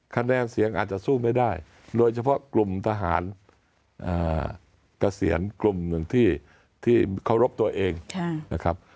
คะแนนเสียงอาจจะสู้ไม่ได้โดยเฉพาะกลุ่มทหารเกษียณกลุ่มหนึ่งที่เคารพตัวเองนะครับ